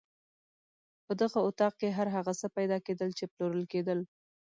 په دغه اطاق کې هر هغه څه پیدا کېدل چې پلورل کېدل.